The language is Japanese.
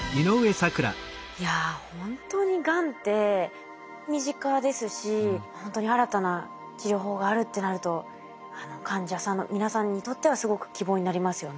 いやほんとにがんって身近ですしほんとに新たな治療法があるってなると患者さんの皆さんにとってはすごく希望になりますよね。